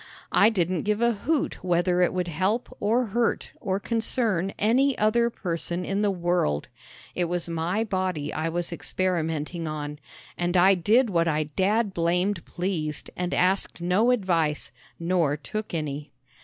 I didn't give a hoot whether it would help or hurt or concern any other person in the world. It was my body I was experimenting on, and I did what I dad blamed pleased and asked no advice nor took any.